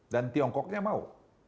dan tiongkoknya mau